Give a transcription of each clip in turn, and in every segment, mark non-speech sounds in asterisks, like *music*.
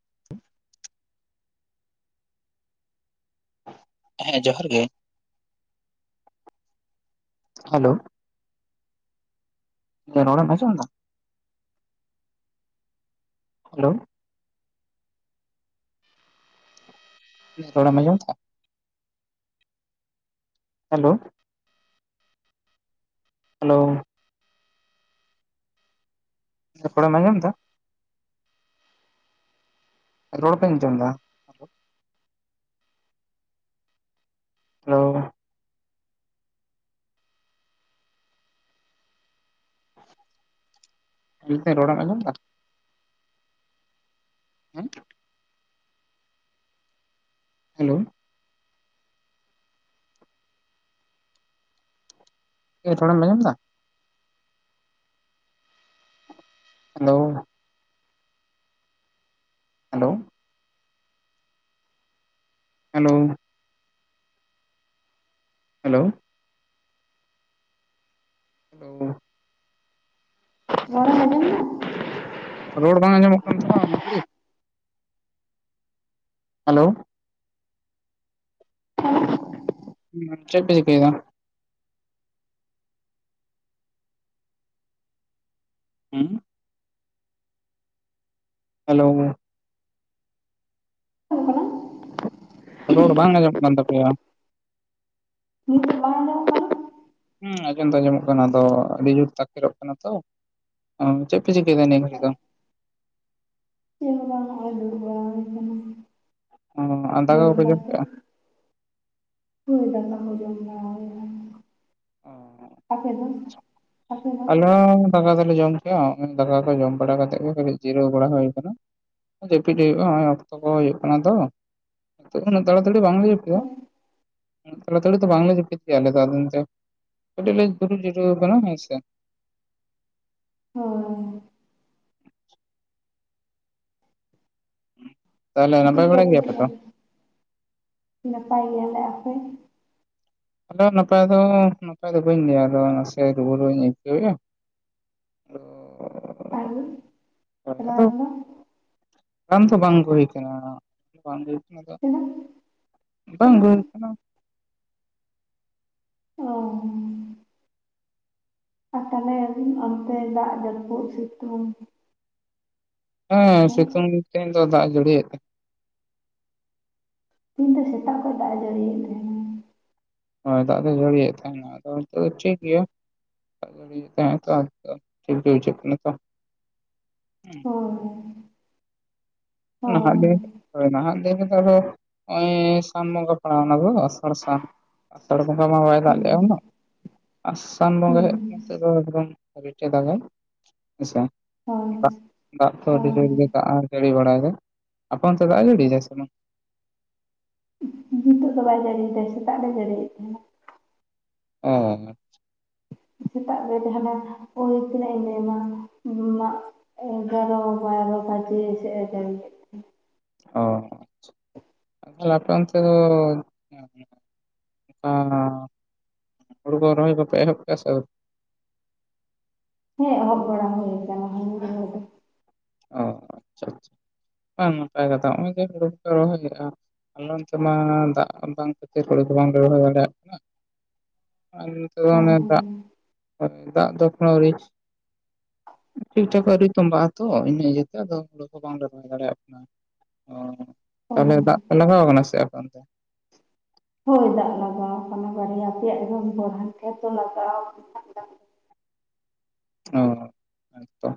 *inaudible* ᱦᱮᱸ ᱡᱚᱦᱟᱨ ᱜᱮ ᱦᱮᱞᱳ ᱨᱚᱲ ᱮᱢ ᱟᱸᱡᱚᱢ ᱫᱟ? ᱦᱮᱞᱳ ᱨᱚᱲ ᱮᱢ ᱟᱸᱡᱚᱢ ᱫᱟ? ᱦᱮᱞᱳ ᱦᱮᱞᱳ ᱯᱚᱲᱮ *unintelligible* ᱨᱚᱲ ᱵᱟᱹᱧ ᱟᱡᱚᱢᱫᱟ? ᱦᱮᱞᱳ ᱧᱮᱞ *unintelligible* ᱨᱚᱲ ᱮᱢ ᱟᱡᱚᱢ ᱫᱟᱜ *unintelligible* ᱦᱮᱞᱳ ᱮ ᱛᱷᱚᱲᱟᱢ ᱟᱸᱡᱚᱢ ᱫᱟ? Hello hello hello hello hello ᱨᱚᱲᱮᱢ ᱟᱸᱡᱚᱢ ᱫᱟ? ᱨᱚᱲ ᱵᱟᱝ ᱟᱸᱡᱚᱢᱚᱜ ᱠᱟᱱ ᱛᱟᱢᱟ ᱩᱱ ᱜᱟᱹᱲᱤᱡ, ᱦᱮᱞᱳ ᱦᱩ ᱟᱜ ᱪᱮᱜ ᱯᱮ ᱪᱤᱠᱟᱹᱭ ᱫᱟ? ᱩᱸ ᱦᱩᱜ ᱦᱮᱞᱳ *unintelligible* ᱠᱟᱱᱟ ᱨᱚᱲ ᱵᱟᱝ ᱟᱸᱡᱚᱢᱚᱜ ᱠᱟᱱ ᱛᱟᱯᱮᱭᱟ᱾ ᱜᱚᱝᱠᱮ ᱵᱟᱝ ᱟᱸᱡᱚᱢᱚᱜ ᱠᱟᱱ ᱦᱩᱸ ᱟᱸᱡᱚᱢ ᱫᱚ ᱟᱸᱡᱚᱢᱚᱜ ᱠᱟᱱᱟ ᱫᱚ ᱟᱹᱰᱤ ᱡᱳᱨ ᱛᱟᱠᱮᱨᱚᱜ ᱠᱟᱱᱟ ᱛᱚ᱾ ᱚ ᱪᱮᱜ ᱯᱮ ᱪᱤᱠᱟᱹᱭ ᱫᱟ ᱱᱤᱭᱟᱹ ᱜᱷᱟᱲᱤᱡ ᱫᱚ? ᱪᱮᱫ ᱦᱚᱸ ᱵᱟᱝ ᱱᱚᱜ-ᱚᱭ ᱫᱩᱲᱩᱵᱽ ᱵᱟᱲᱟ ᱠᱟᱱᱟ᱾ ᱚ ᱟᱨ ᱫᱟᱠᱟ ᱠᱚᱯᱮ ᱡᱚᱢ ᱠᱮᱜ-ᱟ? ᱦᱚᱭ ᱫᱟᱠᱟ ᱦᱚᱸ ᱡᱚᱢ ᱵᱟᱲᱟ ᱦᱩᱭᱩᱜᱼᱟ, ᱟᱯᱮ ᱫᱚ? ᱟᱯᱮ ᱫᱚ ᱟᱞᱮ ᱦᱚᱸ ᱫᱟᱠᱟ ᱫᱚᱞᱮ ᱡᱚᱢ ᱠᱮᱜ-ᱟ᱾ ᱫᱟᱠᱟ ᱠᱚ ᱡᱚᱢ ᱵᱟᱲᱟ ᱠᱟᱛᱮᱫ ᱜᱮ ᱠᱟᱹᱴᱤᱡ ᱡᱤᱨᱟᱹᱣ ᱵᱟᱲᱟ ᱦᱩᱭ ᱠᱟᱱᱟ᱾ ᱡᱟᱹᱯᱤᱫ ᱦᱩᱭᱩᱜ-ᱟ ᱱᱚᱜ-ᱚᱭ ᱚᱠᱛᱚ ᱠᱚ ᱦᱩᱭᱩᱜ ᱠᱟᱱᱟ ᱫᱚ᱾ ᱱᱤᱛᱳᱜ ᱫᱚ ᱩᱱᱟᱹᱜ ᱛᱟᱲᱟᱛᱟᱲᱤ ᱵᱟᱝᱞᱮ ᱡᱟᱹᱯ *unintelligible* ᱦᱳᱭ ᱩᱱᱟᱹᱜ ᱛᱟᱲᱟᱛᱟᱲᱤ ᱫᱚ ᱵᱟᱝᱞᱮ ᱡᱟᱯᱤᱫ ᱜᱮᱭᱟ ᱟᱞᱮ ᱫᱚ ᱟᱫᱚ ᱡᱟᱣ ᱠᱟᱴᱤᱡ ᱞᱮ ᱫᱩᱲᱩᱵᱽ ᱡᱤᱨᱟᱹᱣ ᱠᱟᱱᱟ ᱦᱮᱸ ᱥᱮ᱾ ᱦᱳᱭ ᱛᱟᱦᱚᱞᱮ ᱪᱮᱫ ᱱᱟᱯᱟᱭ ᱯᱮ ᱵᱟᱲᱟ ᱩᱛᱩ ᱜᱮᱭᱟᱯᱮ ᱠᱮᱜᱼᱟ, ᱛᱚ? ᱱᱟᱯᱟᱭ ᱜᱮᱭᱟᱞᱮ, ᱟᱯᱮ? ᱟᱞᱮ ᱱᱟᱯᱟᱭ ᱫᱚ, ᱱᱟᱯᱟᱭ ᱫᱚ ᱵᱟᱹᱧ ᱞᱟᱹᱭᱟ, ᱟᱫᱚ ᱱᱟᱥᱮ ᱨᱩᱣᱟᱹ ᱨᱩᱣᱟᱹᱧ ᱟᱹᱭᱠᱟᱹᱣᱮᱜᱼᱟ, *unintelligible* *unintelligible* ᱦᱳᱭ *unintelligible* ᱟᱫᱚ ᱫᱚ ᱨᱟᱱ ᱫᱚ ᱵᱟᱝ ᱟᱜᱩ ᱦᱩᱭ ᱠᱟᱱᱟ ᱵᱟᱝ ᱦᱩᱭ ᱠᱟᱱᱟ ᱟᱫᱚ ᱛᱤᱱᱟᱹᱜ ᱵᱟᱝ ᱛᱤᱱᱟᱹᱜ ᱦᱩᱭ ᱠᱟᱱᱟ᱾ ᱚ ᱟᱨ ᱛᱟᱦᱚᱞᱮ ᱟᱵᱤᱱ ᱚᱱᱛᱮ ᱫᱟᱜ ᱡᱟᱹᱯᱩᱫ ᱥᱤᱛᱩᱝ ᱦᱮᱸ ᱥᱤᱛᱩᱝ ᱛᱮᱦᱮᱧ ᱫᱚ ᱫᱟᱜ ᱡᱟᱹᱲᱤᱭᱮᱫ ᱛᱟᱦᱮᱸᱜ ᱛᱤᱦᱤᱧ ᱫᱚ ᱥᱮᱛᱟᱜ ᱠᱷᱚᱱ ᱫᱟᱜ ᱮ ᱡᱟᱹᱲᱤᱭᱮᱫ ᱛᱟᱦᱮᱸᱱᱟ᱾ ᱦᱳᱭ ᱫᱟᱜ ᱫᱚ ᱡᱟᱹᱲᱤᱭᱮᱫ ᱛᱟᱦᱮᱸᱱᱟ, ᱟᱫᱚ ᱱᱤᱛᱚᱜ ᱫᱚ ᱴᱷᱤᱠ ᱜᱮᱭᱟ᱾ *unintelligible* *unintelligible* ᱴᱷᱤᱠ ᱜᱮ ‌ᱵᱩᱡᱷᱟᱹᱜ ᱠᱟᱱᱟ ᱛᱚ᱾ ᱦᱳᱭ ᱱᱟᱦᱟᱜ ᱦᱳᱭ ᱫᱮ, ᱦᱚᱭ ᱱᱟᱦᱟᱜ ᱫᱮ ᱨᱮᱫᱚ ᱟᱫᱚ ᱱᱚᱜ-ᱚᱭ ᱥᱟᱱ ᱵᱚᱸᱜᱟ ᱯᱟᱲᱟᱣ ᱚᱱᱟ ᱜᱚ ᱟᱥᱟᱲ ᱥᱟᱱ ᱟᱥᱟᱲ ᱵᱚᱸᱜᱟ ᱢᱟ ᱵᱟᱭ ᱫᱟᱜ ᱦᱩᱸ ᱞᱮᱜ-ᱟ ᱩᱱᱟᱹᱜ ᱟᱥᱟᱱ ᱵᱚᱸᱜᱟ ᱦᱩᱸ ᱦᱮᱡ ᱱᱤᱛᱳᱜ ᱫᱚ ᱮᱠᱫᱚᱢ ᱨᱤᱪᱮ ᱫᱟᱜᱟᱭ ᱦᱮ ᱥᱮ! ᱦᱳᱭ ᱫᱟᱜ ᱫᱟᱜ ᱫᱚ ᱟᱹᱰᱤ ᱡᱳᱨ ᱫᱟᱜ ᱦᱮᱸ ᱡᱟᱹᱲᱤ ᱵᱟᱲᱟᱭᱫᱟᱭ᱾ ᱟᱯᱮ ᱚᱱᱛᱮ ᱫᱟᱜ ᱡᱟᱹᱲᱤᱭ ᱫᱟᱭ ᱥᱮ ᱵᱟᱝ? ᱩᱸᱦ ᱱᱤᱛᱚᱜ ᱫᱚ ᱵᱟᱭ ᱡᱟᱹᱲᱤ ᱮᱫᱟᱭ ᱥᱮᱛᱟᱜ ᱫᱚᱭ ᱡᱟᱹᱲᱤᱭᱮᱫ ᱛᱟᱦᱮᱸᱱᱟ, ᱚ ᱟᱪᱪᱷᱟ ᱥᱮᱛᱟᱜ ᱨᱮ ᱡᱟᱦᱟᱸᱱᱟᱜ ᱳᱭ ᱛᱤᱱᱟᱹᱜ ᱤᱧ ᱞᱟᱹᱭ ᱟᱢᱟ ᱢᱟᱜ ᱮᱜᱟᱨᱚ ᱵᱟᱨᱚ ᱵᱟᱡᱮ ᱥᱮᱜ ᱮ ᱡᱟᱲᱤᱭᱮᱫ ᱚ ᱟᱪᱪᱷᱟ ᱛᱟᱦᱞᱮ ᱟᱯᱮ ᱚᱱᱛᱮ ᱫᱚ? ᱟᱻ ᱦᱩᱲᱩ ᱠᱚ ᱨᱚᱦᱚᱭ ᱠᱚᱯᱮ ᱮᱦᱚᱵ ᱠᱟᱜ-ᱟ ᱥᱮ ᱟᱣᱨᱤ? ᱦᱮᱸ ᱮᱦᱚᱵ ᱵᱟᱲᱟ ᱦᱩᱭ ᱠᱟᱱᱟ ᱦᱩᱲᱩ ᱨᱚᱦᱚᱭ ᱫᱚ᱾ ᱚ ᱟᱪᱪᱷᱟ ᱟᱪᱪᱷᱟ ᱵᱟᱝ ᱱᱟᱯᱟᱭ ᱠᱟᱛᱷᱟ ᱱᱚᱜ-ᱚᱭ ᱡᱮ ᱦᱩᱲᱩ ᱯᱮ ᱨᱚᱦᱚᱭᱮᱜ-ᱟ ᱟᱞᱮ ᱚᱱᱛᱮ ᱢᱟ ᱫᱟᱜ ᱵᱟᱝ ᱠᱷᱟᱹᱛᱤᱨ ᱦᱩᱲᱩ ᱜᱮ ᱵᱟᱝ‌ ᱞᱮ ᱨᱚᱦᱚᱭ ᱫᱟᱲᱮᱭᱟᱜ ᱠᱟᱱᱟ᱾ *unintelligible* ᱚ ᱫᱚᱢᱮ ᱫᱟᱜ ᱫᱟᱜ ᱫᱚ ᱮᱠᱷᱚᱱᱳ ᱟᱹᱣᱨᱤ ᱴᱷᱤᱠ ᱴᱷᱟᱠ ᱟᱹᱣᱨᱤ ᱛᱚᱵᱟᱜ-ᱟ᱾ ᱛᱚ ᱤᱱᱟᱹ ᱤᱭᱟᱹᱛᱮ ᱟᱫᱚ ᱦᱳᱲᱳ ᱠᱚ ᱵᱟᱝᱞᱮ ᱨᱚᱦᱚᱭ ᱫᱟᱲᱮᱭᱟᱜ ᱠᱟᱱᱟ᱾ ᱚ ᱚ ᱛᱟᱦᱚᱞᱮ ᱫᱟᱜ ᱞᱟᱜᱟᱣ ᱠᱟᱱᱟ ᱥᱮ ᱟᱯᱮ ᱚᱱᱛᱮ? ᱦᱳᱭ ᱫᱟᱜ ᱞᱟᱜᱟᱣ ᱠᱟᱱᱟ ᱵᱟᱨᱭᱟ ᱯᱮᱭᱟ ᱮᱠᱫᱚᱢ ᱜᱚᱲᱦᱟᱱ ᱠᱷᱮᱛ ᱫᱚ ᱞᱟᱜᱟᱣ ᱠᱟᱱᱟ᱾ ᱚ ᱦᱮᱸ ᱛᱚ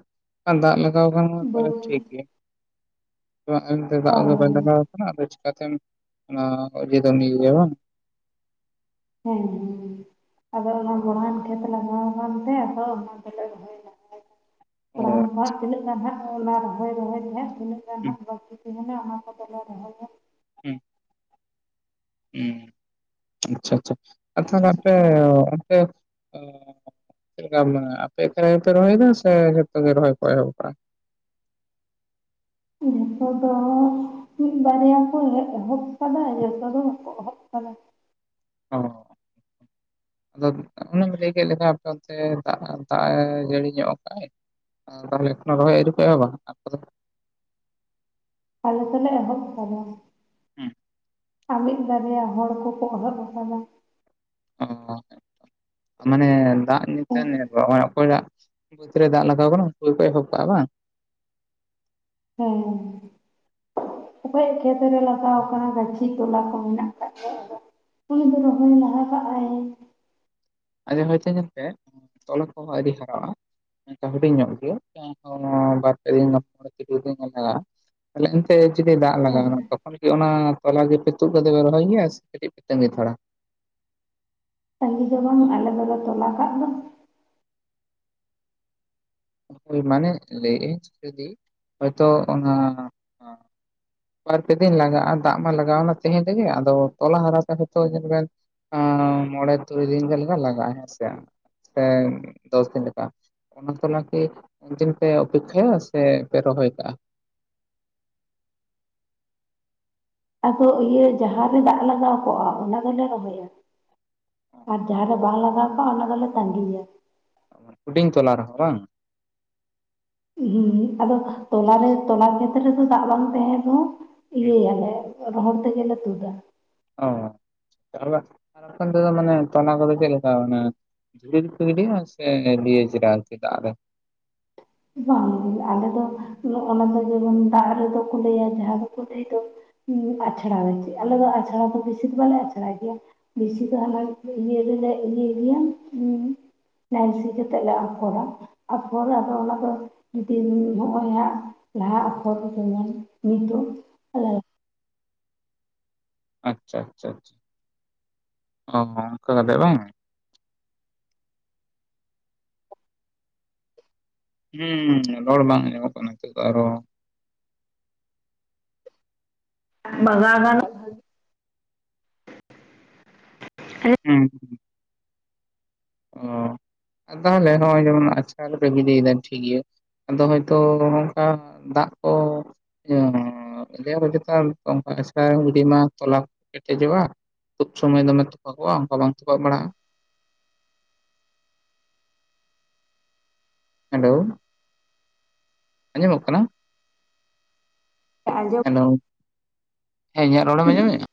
ᱫᱟᱜ ᱞᱟᱜᱟᱣ ᱠᱟᱱ ᱠᱷᱟᱱ ᱛᱟᱦᱞᱮ ᱵᱟᱹᱫᱽ ᱴᱷᱤᱠ ᱜᱮᱭᱟ᱾ ᱚ ᱮᱱᱛᱮ ᱫᱟᱜ ᱦᱳᱭ ᱫᱚ ᱵᱟᱭ ᱦᱮᱸ ᱞᱟᱜᱟᱣ ᱚᱲᱟᱜ ᱨᱮ ᱪᱮᱠᱟᱛᱮᱢ ᱚᱱᱟ ᱚᱰᱤᱭᱳ ᱫᱚᱢ ᱤᱭᱟᱹᱭᱟ ᱵᱟᱝ᱾ ᱦᱮᱸ ᱦᱮᱸ ᱟᱫᱚ ᱚᱱᱟ ᱵᱚᱲᱦᱟᱱ ᱠᱷᱮᱛ ᱞᱟᱜᱟᱣ ᱟᱠᱟᱱ ᱛᱮ ᱟᱫᱚ ᱚᱱᱟ ᱫᱚᱞᱮ ᱨᱚᱦᱚᱭ ᱞᱟᱜᱟᱭ *unintelligible* *inaudible* ᱛᱤᱱᱟᱹᱜ ᱜᱟᱱ ᱦᱟᱜ ᱚᱱᱟ ᱨᱚᱦᱚᱭ ᱨᱚᱦᱚᱭ ᱴᱷᱮᱱ ᱛᱤᱱᱟ. ᱜ ᱜᱟᱱ ᱦᱩᱸ ᱦᱟᱜ ᱵᱟᱠᱤ ᱛᱟᱦᱮᱱᱟ ᱚᱱᱟ ᱠᱚᱫᱚᱞᱮ ᱨᱚᱦᱚᱭᱟ᱾ ᱦᱩᱸ ᱩ ᱟᱪᱪᱷᱟ ᱟᱪᱪᱷᱟ ᱟ ᱛᱷᱟᱞᱮ ᱟᱯᱮ ᱚᱱᱛᱮ ᱪᱮᱫ ᱞᱮᱠᱟ ᱢᱟᱱᱮ ᱟᱯᱮ ᱮᱠᱞᱟ ᱜᱮᱯᱮ ᱨᱚᱦᱚᱭᱫᱟ ᱥᱮ ᱡᱚᱛᱚ ᱜᱮ ᱨᱚᱦᱚᱭ ᱠᱚ ᱮᱦᱚᱵ ᱠᱟᱜᱼᱟ᱾ ᱤᱱᱟᱤᱭᱟᱹ ᱡᱷᱚᱛᱚ ᱫᱚ᱾ ᱢᱤᱫ ᱵᱟᱨᱭᱟ ᱠᱚ ᱮᱦᱚᱵ ᱟᱠᱟᱫᱟ ᱡᱚᱛᱚ ᱫᱚ ᱦᱚᱸᱠᱚ ᱮᱦᱚᱵ ᱟᱠᱟᱫᱟ, ᱚᱻ ᱟᱫᱚ ᱚᱱᱮᱢ ᱞᱟᱹᱭ ᱠᱮᱫ ᱞᱮᱠᱷᱟᱱ ᱟᱯᱮ ᱚᱱᱛᱮ ᱫᱟᱜ ᱫᱟᱜ-ᱮ ᱡᱟᱹᱲᱤ ᱧᱚᱜ ᱠᱟᱜᱼᱟᱭ ᱮ ᱛᱟᱦᱚᱞᱮ ᱮᱠᱷᱚᱱ ᱦᱚᱸ ᱨᱚᱦᱚᱭ ᱟᱣᱨᱤᱯᱮ ᱮᱦᱚᱵᱟ ᱟᱯᱮᱫᱚ᱾ ᱟᱞᱮ ᱫᱚᱞᱮ ᱮᱦᱚᱵ ᱠᱟᱫᱟ᱾ ᱦᱮᱸ ᱾ ᱟᱨ ᱢᱤᱫ ᱵᱟᱨᱭᱟ ᱦᱚᱲ ᱠᱚᱠᱚ ᱮᱦᱚᱵ ᱟᱠᱟᱫᱟ ᱾ ᱚ ᱢᱟᱱᱮ ᱫᱟᱜ ᱧᱩ *inaudible* ᱨᱚᱦᱚᱭ ᱚᱠᱚᱭᱟᱜ ᱵᱟᱹᱫᱽ ᱨᱮ ᱫᱟᱜ ᱞᱟᱜᱟᱣ ᱠᱟᱱᱟ ᱩᱱᱠᱩ ᱜᱮᱠᱚ ᱮᱦᱚᱵ ᱠᱟᱜᱼᱟ ᱵᱟᱝ᱾ ᱦᱮᱸ᱾ ᱚᱠᱚᱭᱟᱜ ᱠᱷᱮᱛ ᱨᱮ ᱞᱟᱜᱟᱣ ᱠᱟᱱᱟ ᱜᱟᱹᱪᱷᱤ ᱛᱚᱞᱟ ᱠᱚ ᱢᱮᱱᱟᱜ ᱟᱠᱟᱫ ᱜᱮᱭᱟ ᱟᱫᱚ᱾ ᱩᱱᱤ ᱫᱚ ᱨᱚᱦᱚᱭ ᱞᱟᱦᱟ ᱠᱟᱜ ᱟᱭ᱾ ᱚᱱᱮ ᱦᱚᱭᱛᱚ ᱧᱮᱞ ᱯᱮ ᱛᱚᱞᱟ ᱠᱚᱦᱚᱸ ᱟᱣᱨᱤ ᱦᱟᱨᱟᱜ-ᱟ᱾ ᱚᱱᱠᱟ ᱦᱩᱰᱤᱧ ᱧᱚᱜ ᱜᱮ ᱚᱝᱠᱟ ᱚᱱᱟ ᱵᱟᱨ ᱯᱮ ᱫᱤᱱ ᱢᱚᱬᱮ ᱛᱩᱨᱩᱭ ᱫᱤᱱ ᱜᱟᱱ ᱞᱟᱜᱟᱜᱼᱟ ᱛᱟᱦᱚᱞᱮ ᱮᱱᱛᱮ ᱡᱩᱫᱤ ᱫᱟᱜ ᱦᱮᱸ ᱞᱟᱜᱟᱣᱮᱱᱟ ᱛᱚᱠᱷᱚᱱ ᱠᱤ ᱚᱱᱟ᱾ ᱛᱚᱞᱟ ᱜᱮᱯᱮ ᱛᱩᱫ ᱠᱟᱛᱮᱯᱮ ᱨᱚᱦᱚᱭ ᱜᱮᱭᱟ ᱥᱮ ᱠᱟᱴᱤᱪ ᱯᱮ ᱛᱟᱸᱜᱤ ᱛᱟᱲᱟ? ᱛᱟᱸᱜᱤ ᱫᱚ ᱵᱟᱝ ᱟᱞᱮ ᱫᱚᱞᱮ ᱛᱚᱞᱟ ᱠᱟᱫ ᱫᱚ᱾ ᱦᱳᱭ ᱢᱟᱱᱮ ᱞᱟᱹᱭ ᱟ. ᱧ ᱡᱩᱫᱤ ᱦᱳᱭᱛᱚ ᱚᱱᱟ, ᱵᱟᱨᱯᱮ ᱫᱤᱱ ᱞᱟᱜᱟᱜᱼᱟ ᱫᱟᱜ ᱢᱟ ᱞᱟᱜᱟᱣᱱᱟ ᱛᱮᱦᱮᱧ ᱨᱮᱜᱮ ᱟᱫᱚ ᱛᱚᱞᱟ ᱦᱟᱨᱟᱣ ᱥᱟᱸᱦᱤᱪ ᱛᱚ ᱧᱮᱞ ᱵᱮᱱ, ᱟᱸ ᱢᱚᱬᱮ ᱛᱩᱨᱩᱭ ᱫᱤᱱ ᱜᱟᱱ ᱞᱟᱜᱟᱜ-ᱟ ᱦᱮᱸ ᱥᱮ, ᱦᱮᱸ ᱫᱚᱥ ᱫᱤᱱ ᱞᱮᱠᱟ ᱚᱱᱟ ᱛᱚᱞᱟ ᱛᱚ ᱩᱱ ᱫᱤᱱ ᱯᱮ ᱚᱯᱮᱠᱷᱟᱭᱟ ᱥᱮ ᱯᱮ ᱨᱚᱦᱚᱭ ᱠᱟᱜᱼᱟ ᱟᱫᱚ ᱤᱭᱟᱹ ᱡᱟᱦᱟᱸ ᱨᱮ ᱫᱟᱜ ᱞᱟᱜᱟᱣ ᱠᱚᱜᱼᱟ ᱚᱱᱟ ᱫᱚᱞᱮ ᱨᱚᱦᱚᱭᱟ ᱟᱨ ᱡᱟᱦᱟᱸ ᱫᱚ, ᱵᱟᱝ ᱞᱟᱜᱟᱣ ᱠᱟᱜ ᱚᱱᱟ ᱫᱚᱞᱮ ᱛᱟᱸᱜᱤᱭᱟ ᱦᱩᱰᱤᱧ ᱛᱚᱞᱟ ᱨᱮᱦᱚᱸ ᱵᱟᱝ ᱦᱮ ᱟᱫᱚ ᱛᱚᱞᱟᱨ ᱨᱮ ᱛᱚᱞᱟ ᱠᱷᱮᱛ ᱨᱮᱫᱚ ᱫᱟᱜ ᱵᱟᱝ ᱛᱟᱦᱮᱸᱱ ᱨᱮᱦᱚᱸ ᱤᱭᱟᱹᱭᱟᱞᱮ ᱨᱚᱦᱚᱲ ᱛᱮᱜᱮᱞᱮ ᱛᱩᱫᱟ ᱚ ᱟᱨ ᱵᱟᱠᱷᱟᱱ ᱟᱨ ᱵᱟᱠᱷᱟᱱ ᱫᱚ ᱢᱟᱱᱮ ᱛᱟᱱᱟ ᱠᱚᱫᱚ ᱪᱮᱫ ᱞᱮᱠᱟ ᱢᱟᱱᱮ ᱫᱷᱩᱲᱤ ᱨᱮᱠᱚ ᱜᱤᱰᱤᱭᱟ ᱥᱮ ᱞᱤᱭᱮ ᱫᱟᱜ ᱨᱮ ᱵᱟᱝ ᱜᱮ ᱟᱞᱮ ᱫᱚ ᱚᱱᱟ ᱫᱚ ᱡᱮᱢᱚᱱ ᱫᱟᱜ ᱨᱮᱫᱚ ᱠᱚ ᱞᱟᱹᱭᱟ ᱡᱟᱦᱟᱸ ᱫᱚᱠᱚ ᱞᱟᱹᱭ ᱫᱚ, ᱩ ᱟᱪᱪᱷᱲᱟ ᱮᱱᱛᱮ ᱟᱞᱮ ᱫᱚ ᱟᱪᱷᱲᱟ ᱫᱚ ᱵᱮᱥᱤ ᱫᱚ ᱵᱟᱞᱮ ᱟᱪᱷᱲᱟᱭ ᱜᱮᱭᱟ ᱵᱮᱥᱤ ᱫᱚ ᱟᱞᱮ ᱤᱭᱟ. ᱜᱮᱞᱮ ᱤᱭᱟ. ᱭ ᱜᱮᱭᱟ ᱩ ᱱᱟᱭᱥᱤ ᱠᱟᱛᱮᱞᱮ ᱟᱯᱷᱚᱨᱟ ᱟᱯᱷᱚᱨ ᱟᱫᱚ ᱚᱱᱟ ᱫᱚ, ᱡᱩᱫᱤ ᱦᱚᱸᱜᱼᱚᱭ ᱦᱟᱸᱜ ᱞᱟᱦᱟ ᱟᱯᱷᱚᱨ ᱠᱚ ᱠᱚ ᱧᱮᱞᱟ ᱱᱤᱛᱚᱜ ᱟ *inaudible* ᱟᱪᱪᱷᱟ ᱟᱪᱪᱷᱟ ᱪᱷᱟ ᱚ ᱚᱱᱠᱟ ᱠᱟᱛᱮ ᱵᱟᱝ ᱦᱩᱸᱻ ᱨᱚᱲ ᱵᱟᱝ ᱟᱸᱢᱚᱢᱚᱜ ᱠᱟᱱᱟ ᱱᱤᱛᱳᱜ ᱫᱚ ᱟᱨᱦᱚ, ᱵᱟᱜᱟ ᱜᱟᱱᱚᱜ ᱦᱩᱸ ᱚ ᱟᱫᱚ ᱟᱞᱮ ᱦᱚ ᱡᱮᱢᱚᱱ ᱟᱪᱠᱟ ᱜᱮᱯᱮ ᱜᱤᱰᱤᱭᱫᱟ ᱴᱷᱤᱠ ᱜᱮᱭᱟ. ᱟᱫᱚ ᱦᱳᱭᱛᱚ ᱱᱚᱝᱠᱟ ᱫᱟᱜ ᱠᱚ ᱚ ᱦᱚ ᱞᱟ. ᱭᱟ ᱠᱚ ᱪᱮᱛᱟ ᱚᱱᱠᱟ ᱮᱥᱠᱟᱨᱮᱢ ᱜᱤᱰᱤᱢᱟ ᱢᱟ ᱛᱚᱞᱟ ᱠᱚ ᱠᱮᱴᱮᱡᱚᱜᱼᱟ ᱛᱩᱫ ᱥᱚᱢᱚᱭ ᱫᱚᱢᱮ ᱛᱚᱯᱟᱜ-ᱟ ᱚᱱᱠᱟ ᱵᱟᱝ ᱛᱚᱯᱟᱜ ᱵᱟᱲᱟᱜᱼᱟ, ᱦᱮᱞᱳ ᱟᱸᱡᱚᱢᱚᱜ ᱠᱟᱱᱟ? ᱟᱧᱡᱚᱢ ᱦᱮᱞᱳ ᱦᱮᱸ ᱤᱧᱟᱹᱜ ᱨᱚᱲᱮᱢ ᱟᱸᱡᱚᱢᱮᱜᱼᱟ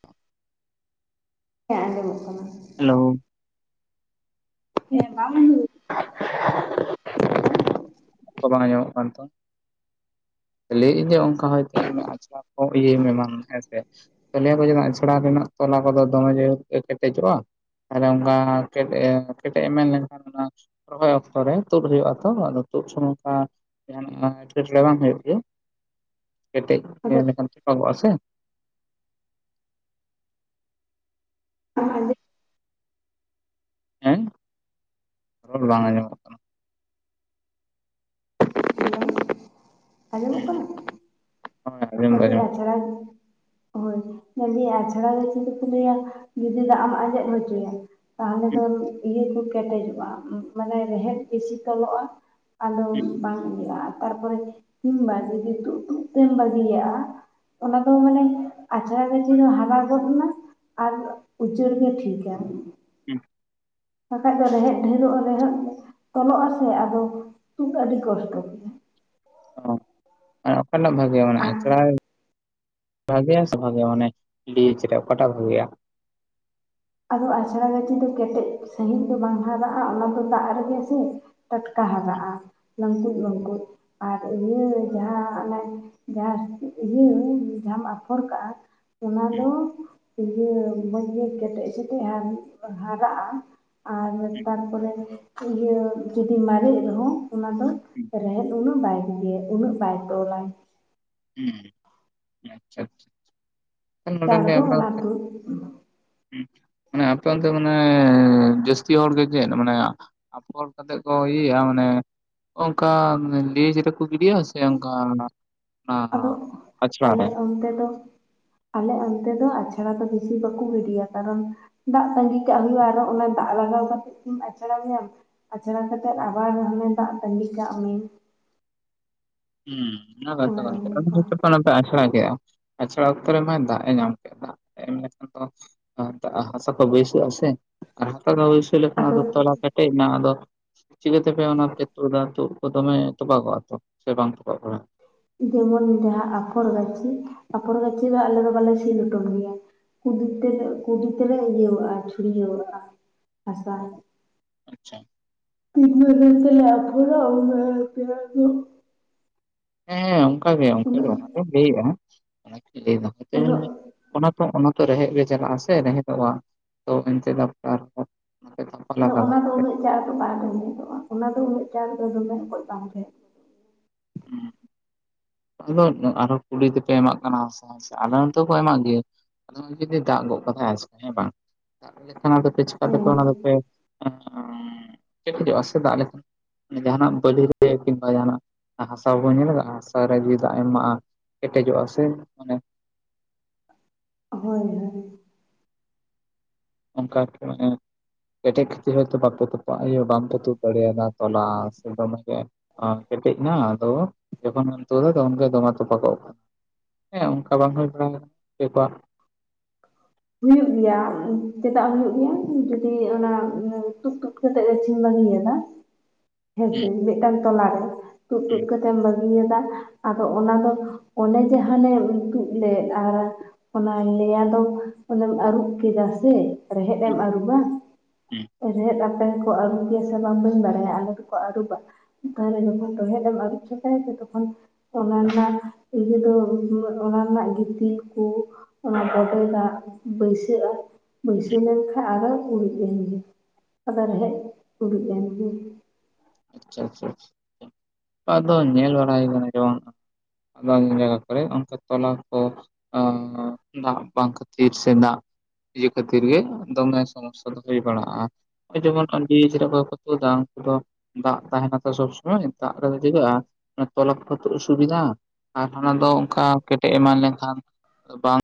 ᱦᱮᱸ ᱟᱸᱡᱚᱢᱚᱜ ᱠᱟᱱᱟ ᱦᱮᱞᱳ ᱦᱮᱸ ᱵᱟᱢ ᱟᱸᱡᱚᱢᱮᱫ? ᱠᱚ ᱵᱟᱝ ᱟᱸᱢᱚᱢᱚᱜ ᱠᱟᱱ ᱛᱚ ᱞᱟᱹᱭ ᱤᱧ ᱡᱮ ᱚᱝᱠᱟ ᱦᱚᱭᱛᱚ ᱤᱧᱟᱜ *unintelligible* ᱠᱚ ᱤᱭᱟᱹᱭ ᱢᱮ ᱢᱟᱱ ᱦᱮᱸ ᱥᱮ ᱞᱤᱭᱟ ᱠᱚ ᱡᱮᱱᱚ ᱟᱪᱷᱲᱟ ᱨᱮᱱᱟᱜ ᱛᱚᱞᱟ ᱠᱚᱫᱚ ᱫᱚᱢᱮ ᱡᱳᱨ ᱜᱮ ᱠᱮᱴᱮᱡᱚᱜᱼᱟ ᱛᱟᱦᱞᱮ ᱚᱝᱠᱟ ᱠᱮᱴᱮ ᱠᱮᱴᱮᱡ ᱮᱢ ᱢᱮᱱ ᱞᱮᱱᱠᱷᱟᱱ ᱨᱚᱦᱚᱭ ᱚᱠᱛᱚ ᱨᱮ ᱛᱳᱫ ᱦᱳᱭᱳᱜᱼᱟ ᱛᱚ ᱟᱫᱚ ᱛᱳᱫ ᱥᱚᱢᱚᱭ ᱚᱝᱠᱟ ᱡᱟᱦᱟ ᱱᱟᱜ ᱮᱴᱠᱮᱴᱚᱬᱮ ᱵᱟᱝ ᱦᱳᱭᱳᱜ ᱪᱮᱜ ᱠᱮᱴᱮᱡ ᱟᱫᱚ ᱜᱚᱜ ᱞᱮᱠᱷᱟᱱ ᱛᱚᱯᱟᱜᱚᱜᱟ- ᱥᱮ ᱵᱟᱝ ᱟᱸᱡᱚᱢ ᱦᱮᱸ ᱨᱚᱲ ᱵᱟᱝ ᱟᱸᱡᱚᱢᱚᱜ ᱟᱸᱡᱚᱢᱚᱜ ᱦᱩᱸ ᱠᱟᱱᱟ? ᱦᱳᱭ ᱟᱸᱡᱚᱢ ᱫᱚ ᱥᱮᱫᱤ ᱟᱸᱡᱚᱢᱚᱜ ᱠᱟᱱᱟ ᱟᱪᱷᱲᱟᱪ ᱦᱳᱭ ᱞᱟᱹᱭ ᱫᱤᱧ ᱟᱪᱷᱟᱲᱟ ᱫᱚ ᱠᱤᱱᱛᱩ ᱠᱚ ᱞᱟᱹᱭᱟ ᱡᱩᱫᱤ ᱫᱟᱜ ᱟᱢᱟᱜ ᱟᱸᱡᱮᱫ ᱦᱚᱪᱚᱭᱟ ᱛᱟᱦᱚᱞᱮ ᱦᱩᱸ ᱫᱚ ᱤᱭᱟᱹ ᱠᱚ ᱠᱮᱴᱮᱡᱚᱜᱼᱟ ᱢᱟᱱᱮ ᱨᱮᱦᱮᱫ ᱵᱮᱥᱤ ᱛᱚᱞᱚᱜᱼᱟ ᱟᱫᱚᱢ ᱦᱩᱸ ᱵᱟᱝ ᱤᱭᱟᱹᱜᱼᱟ ᱛᱟᱨᱯᱚᱨᱮ ᱠᱤᱢᱵᱟ ᱡᱩᱫᱤ ᱛᱩᱫ ᱛᱩᱫ ᱛᱮᱢ ᱵᱟᱹᱜᱤᱭᱟᱜᱼᱟ ᱚᱱᱟ ᱫᱚ ᱢᱟᱱᱮ ᱟᱪᱷᱲᱟ ᱨᱮ ᱡᱮᱭ ᱦᱟᱨᱟ ᱜᱚᱫ ᱱᱟ ᱟᱨ ᱩᱪᱟᱹᱲ ᱜᱮ ᱴᱷᱤᱠᱟ ᱦᱩᱸ ᱵᱟᱠᱷᱟᱡ ᱫᱚ ᱨᱮᱦᱮᱫ ᱰᱷᱮᱨᱚᱜᱼᱟ ᱨᱮᱦᱮᱫ ᱛᱚᱞᱚᱜᱼᱟ ᱥᱮ ᱟᱫᱚ ᱛᱩᱫ ᱟᱹᱰᱤ ᱠᱚᱥᱴᱚ ᱜᱮᱭᱟ ᱚ ᱢᱟᱱᱮ ᱚᱠᱴᱟᱜ ᱵᱷᱟᱜᱮ ᱢᱟᱱᱮ ᱟᱨ ᱟᱪᱷᱬᱟᱭ ᱵᱷᱟᱜᱮᱭᱟ ᱥᱮ ᱵᱷᱟᱜᱮ ᱢᱟᱱᱮ ᱞᱤᱪ ᱨᱮ ᱚᱠᱟᱴᱟᱜ ᱵᱷᱟᱜᱮᱭᱟ? ᱟᱫᱚ ᱟᱪᱷᱲᱟ ᱜᱟᱹᱪᱷᱤ ᱫᱚ ᱠᱮᱴᱮᱡ ᱥᱟᱺᱦᱤᱡ ᱫᱚ ᱵᱟᱝ ᱦᱟᱨᱟᱜᱼᱟ, ᱚᱱᱟ ᱫᱚ ᱫᱟᱜ ᱨᱮᱜᱮ ᱥᱮ ᱴᱟᱴᱠᱟ ᱦᱩᱸ ᱦᱟᱨᱟᱜᱼᱟ ᱞᱟᱹᱝᱠᱩᱡ ᱵᱟᱹᱝᱠᱩᱡ ᱟᱨ ᱤᱭᱟᱹ ᱡᱟᱦᱟᱸ ᱚᱱᱮ ᱡᱟᱦᱟᱸ ᱤᱭᱟᱹ ᱡᱟᱦᱟᱢ ᱟᱯᱷᱚᱨ ᱠᱟᱜᱼᱟ ᱚᱱᱟ ᱦᱩᱸ *unintelligible* ᱤᱭᱟᱹ ᱢᱚᱡᱽ ᱜᱮ ᱠᱮᱴᱮᱡ ᱥᱮᱴᱮᱡ ᱟᱨ *unintelligible* ᱦᱟᱨᱟᱜᱼᱟ ᱟᱨ ᱛᱟᱨ ᱯᱚᱨᱮ ᱤᱭᱟᱹ ᱡᱩᱫᱤ ᱢᱟᱨᱮᱜ ᱨᱮᱦᱚᱸ ᱚᱱᱟ ᱫᱚ ᱦᱩᱸ ᱨᱮᱦᱮᱫ ᱩᱱᱟᱹᱜ ᱵᱟᱭ *unintelligible* ᱩᱱᱟᱹᱜ ᱵᱟᱭ ᱛᱚᱞᱟᱭ ᱦᱩᱸ ᱟᱪᱪᱷᱟ ᱟᱪᱪᱷᱟ ᱪᱟᱲ ᱫᱚ ᱛᱟᱦᱚᱞᱮ ᱚᱱᱟ *unintelligible* ᱟᱹᱛᱩ ᱢᱟᱱᱮ ᱟᱯᱮ ᱚᱱᱛᱮ ᱢᱟᱱᱮ ᱡᱟᱹᱥᱛᱤ ᱦᱚᱲ ᱜᱮ ᱪᱮᱫ ᱢᱟᱱᱮ ᱟᱯᱷᱚᱨ ᱠᱟᱛᱮᱜ ᱠᱚ ᱤᱭᱟᱹᱭᱟ ᱢᱟᱱᱮ ᱚᱝᱠᱟ ᱢᱟᱱᱮ ᱞᱮᱡᱽ ᱨᱮᱠᱚ ᱜᱤᱰᱤᱭᱟ ᱥᱮ ᱚᱝᱠᱟ ᱟᱫᱚ ᱟᱞᱮ ᱚᱱᱛᱮ ᱫᱚ ᱟᱞᱮ ᱚᱱᱛᱮ ᱫᱚ ᱟᱪᱷᱟᱲᱟ ᱫᱚ ᱵᱤᱥᱤ ᱵᱟᱠᱩ ᱜᱤᱰᱤᱭᱟ ᱠᱟᱨᱚᱱ ᱫᱟᱜ ᱛᱟᱸᱜᱤ ᱠᱟᱜ ᱦᱩᱭᱩᱜᱼᱟ ᱟᱨᱚ ᱚᱱᱮ ᱫᱟᱜ ᱞᱟᱜᱟᱣ ᱠᱟᱛᱮᱫ ᱠᱤᱢ ᱟᱪᱷᱲᱟᱭᱟ ᱟᱪᱷᱲᱟ ᱠᱟᱛᱮᱫ ᱟᱵᱟᱨ ᱦᱟᱱᱮ ᱫᱟᱜ ᱛᱟᱝᱜᱤ ᱠᱟᱜ ᱢᱮ ᱦᱩᱸ ᱚᱱᱟ ᱚᱱᱮ ᱚᱱᱠᱟ ᱦᱚᱸ ᱠᱟᱛᱷᱟ ᱠᱟᱱ ᱜᱮᱭᱟ *unintelligible* ᱟᱪᱷᱲᱟ ᱠᱮᱜ-ᱟ ᱟᱷᱲᱟ ᱚᱠᱛᱚ ᱨᱮ ᱢᱟᱭ ᱫᱟᱜ ᱮ ᱧᱟᱢ ᱠᱮᱜ-ᱟ ᱫᱟᱜ ᱮᱢ ᱞᱮᱠᱷᱟᱱ ᱫᱚ ᱦᱟᱛᱟᱜ ᱦᱟᱥᱟ ᱛᱚ ᱵᱟᱹᱥᱟᱹᱜ-ᱟ ᱥᱮ ᱟᱨ ᱦᱟᱥᱟ ᱫᱚ ᱵᱟᱭᱥᱟᱣ ᱞᱮᱠᱷᱟᱱ ᱟᱫᱚ ᱛᱚᱞᱟ ᱛᱮ ᱴᱮᱡ ᱱᱟ ᱟᱫᱚ ᱪᱤᱠᱟᱹᱛᱮ ᱯᱮ ᱚᱱᱟ ᱯᱮ ᱛᱳᱫᱟ ᱛᱳᱫ ᱠᱚ ᱫᱚᱢᱮ ᱛᱚᱵᱟᱜᱚᱣᱟ ᱛᱚ ᱥᱮ ᱵᱟᱝ ᱛᱚᱯᱟᱜ ᱵᱟᱲᱟᱜ-ᱟ᱾ ᱡᱮᱢᱚᱱ ᱡᱟᱦᱟᱸ ᱟᱯᱷᱚᱨ ᱜᱟᱹᱪᱷᱤ ᱟᱯᱷᱚᱨ ᱜᱟᱹᱪᱷᱤ ᱢᱟ ᱟᱞᱮ ᱫᱚ ᱵᱟᱞᱮ ᱥᱤ ᱦᱚᱴᱚᱱ ᱜᱮᱭᱟ ᱠᱩᱫᱤ ᱛᱮᱞᱮ ᱠᱩᱰᱤ ᱛᱮᱞᱮ ᱤᱭᱟᱹᱣᱟᱜ-ᱟ ᱪᱷᱩᱲᱭᱟᱹᱣᱟᱜ-ᱟ᱾ ᱦᱟᱥᱟ ᱟᱪᱪᱷᱟ ᱛᱤᱱ ᱵᱟᱡᱮ ᱛᱮᱞᱮ ᱟᱯᱷᱚᱨᱟ ᱩᱱ *unintelligible* ᱫᱚ ᱦᱮᱸ ᱚᱱᱠᱟᱜᱮ ᱚᱱᱠᱟᱜᱮ ᱩᱱᱟᱹᱜ ᱚᱱᱟᱱᱟᱜ ᱞᱟᱹᱭᱮᱜ-ᱟ ᱚᱱᱟ ᱞᱟᱹᱭᱫᱟ ᱩᱱᱟᱹᱜ ᱚᱱᱟ ᱛᱚ ᱚᱱᱟ ᱛᱚ ᱨᱮᱦᱮᱫ ᱜᱮ ᱪᱟᱞᱟᱜ ᱟ ᱥᱮ ᱨᱮᱦᱮᱫᱚᱜ-ᱟ ᱛᱚ ᱮᱱᱛᱮ ᱫᱚ ᱟᱫᱚ ᱚᱱᱟ ᱫᱚ ᱩᱱᱟᱹᱜ ᱪᱟᱬ ᱫᱚ ᱵᱟᱝ ᱨᱮ ᱵᱷᱚᱜ-ᱟ ᱚᱱᱟ ᱫᱚ ᱩᱱᱟᱹᱜ ᱪᱟᱬ ᱫᱚᱢᱮ ᱦᱚᱯᱚᱫ ᱵᱟᱝ ᱨᱮᱷ-ᱟ᱾ ᱦᱩᱸ ᱟᱫᱚ ᱟᱨᱦᱚᱸ ᱠᱩᱞᱤ ᱛᱮᱯᱮ ᱮᱢᱟᱜ ᱠᱟᱱᱟ ᱦᱟᱥᱟ ᱟᱞᱮ ᱦᱚᱸᱛᱚ ᱠᱚ ᱮᱢᱟᱜ ᱜᱮᱭᱟ᱾ ᱟᱫᱚ ᱡᱩᱫᱤ ᱫᱟᱜ ᱜᱚᱫ ᱠᱟᱛᱟᱭ ᱟ ᱦᱮᱸ ᱵᱟᱝ ᱫᱟᱜ ᱞᱮᱠᱷᱟᱱ ᱪᱮᱠᱟᱛᱮ ᱦᱮᱸ ᱚᱱᱟ ᱪ ᱦᱤᱡᱚᱜ-ᱟ ᱥᱮ ᱫᱟᱜ ᱞᱮᱠᱷᱟᱱ᱾ ᱡᱟᱦᱟᱱᱟᱜ ᱵᱟᱹᱞᱤ ᱨᱮ ᱠᱤᱵᱟ ᱡᱟᱦᱱᱟᱜ ᱦᱟᱥᱟ ᱵᱚᱱ ᱧᱮᱞ ᱠᱟᱜ-ᱟ ᱦᱟᱥ ᱨᱮ ᱡᱩᱫᱤ ᱫᱟᱜ ᱮᱢᱟᱜ-ᱟ ᱠᱮᱴᱮᱡᱚᱜ-ᱟ ᱥᱮ ᱢᱟᱱᱮ ᱦᱳᱭ ᱦᱳᱭ ᱚᱱᱠᱟ ᱠᱮᱴᱮᱡ ᱠᱷᱟᱹᱛᱤᱨ ᱦᱚᱭᱛᱚ ᱵᱟᱯ ᱛᱩᱯ-ᱟ ᱵᱟᱢᱯ ᱛᱩᱯ ᱫᱟᱲᱮᱭᱟᱫᱟ ᱛᱚᱞᱟ ᱥᱮ ᱫᱚᱢᱮ ᱠᱮᱴᱮᱡ ᱱᱟ ᱟᱫᱚ ᱡᱚᱠᱷᱚᱱᱮᱢ ᱛᱩᱫᱟ ᱛᱚᱠᱷᱚᱱ ᱜᱮ ᱫᱚᱢᱮ ᱛᱚᱯᱟᱜᱚᱜ ᱠᱟᱱᱟ᱾ ᱦᱮᱸ ᱚᱱᱠᱟ ᱵᱟᱝ ᱦᱩᱭ ᱵᱟᱲᱟ ᱦᱚᱪᱮ ᱠᱚᱣᱟ᱾ ᱦᱩᱭᱩᱜ ᱜᱮᱭᱟ ᱪᱮᱫᱟᱜ ᱦᱩᱭᱩᱜ ᱜᱮᱭᱟ ᱡᱩᱫᱤ ᱚᱱᱟ ᱛᱩᱫ ᱛᱩᱫ ᱠᱟᱛᱮᱫ ᱜᱟᱹᱪᱤᱱ ᱵᱟᱹᱜᱮᱫᱟ᱾ *inaudible* ᱦᱮᱸᱥᱮ ᱢᱤᱫᱴᱟᱝ ᱛᱚᱞᱟ ᱨᱮ ᱛᱩᱫ ᱛᱩᱫ ᱠᱟᱛᱮᱫ ᱛᱮᱢ ᱵᱟᱹᱜᱤᱭᱟᱫᱟ ᱟᱫᱚ ᱚᱱᱟ ᱫᱚ ᱚᱱᱮ ᱡᱟᱦᱟᱱᱮᱢ ᱛᱩᱫ ᱞᱮᱫ ᱟᱨ ᱚᱱᱟᱧ ᱞᱟᱹᱭ ᱟᱫᱚ ᱚᱮᱢ ᱟᱹᱨᱩᱵ ᱠᱮᱫᱟ ᱥᱮ ᱨᱮᱦᱮᱫ ᱮᱢ ᱟᱹᱨᱩᱵᱟ ᱨᱮᱦᱮᱫ ᱟᱯᱮ ᱠᱚ ᱟᱹᱨᱩᱵᱮᱭᱟ ᱥᱮ ᱵᱟᱝ ᱵᱟᱹᱧ ᱵᱟᱲᱟᱭᱟ ᱟᱞᱮ ᱫᱚᱠᱚ ᱟᱹᱨᱩᱵᱟ᱾ ᱛᱟᱦᱚᱞᱮ ᱡᱠᱷᱚᱱ ᱛᱚᱦᱰ ᱮᱢ ᱟᱨᱩᱯ ᱥᱟᱯᱷᱟᱭᱟ ᱥᱮ ᱛᱠᱷᱟᱱ ᱚᱱᱟ ᱨᱮᱱᱟᱜ ᱤᱭᱟᱹ ᱫᱚ ᱚᱱᱟ ᱨᱮᱱᱟᱜ ᱜᱤᱛᱤᱞ ᱠᱩ ᱚᱱᱟ ᱵᱚᱰᱮ ᱫᱟᱜ ᱵᱟᱹᱭᱥᱟᱹᱜ-ᱟ ᱵᱟᱹᱭᱥᱟᱹ ᱞᱮᱱᱠᱷᱟᱜ ᱟᱫᱚ *unintelligible* ᱠᱩᱲᱤ ᱯᱱ ᱜᱮ ᱟᱫᱚᱟᱨᱦ ᱠᱩᱲᱤ ᱯᱱᱜ ᱜᱮ ᱟᱪᱪᱷᱟ ᱟᱪᱪᱷᱟ ᱟᱫᱚ ᱧᱮᱞ ᱵᱟᱲᱟᱭ ᱠᱟᱱᱟ ᱡᱮ ᱫᱟᱱ ᱡᱟᱭᱜᱟ ᱠᱚᱨᱮ ᱚᱱᱠᱟ ᱛᱚᱞᱟ ᱠᱚ ᱟ ᱫᱟᱜ ᱵᱟᱝ ᱠᱷᱟᱹᱛᱤᱨ ᱥᱮ ᱫᱟᱜ ᱤᱭᱟᱹ ᱠᱷᱟᱹᱛᱤᱨ ᱜᱮ ᱫᱚᱢᱮ ᱥᱚᱢᱚᱥᱥᱟ ᱫᱚ ᱦᱩᱭ ᱵᱟᱲᱟᱜ-ᱟ᱾ ᱱᱚᱜ ᱡᱮᱢᱚᱱ ᱠᱚ ᱩᱱᱠᱩ ᱫᱚ ᱫᱟᱜ ᱛᱟᱦᱮᱱᱟ ᱛᱚ ᱥᱚᱵᱽ ᱥᱩᱚᱢᱚᱭ ᱫᱟᱜ ᱨᱮᱫᱚ ᱦᱩᱭᱩᱜ-ᱟ ᱛᱚᱞᱟ ᱛᱩᱫ ᱥᱩᱵᱤᱫᱷᱟ᱾ ᱟᱨ ᱚᱱᱟ ᱫᱚ ᱚᱱᱠᱟ ᱠᱮᱴᱮᱡ ᱮᱢᱟᱱ ᱞᱮᱱᱠᱷᱟᱱ ᱵᱟᱝ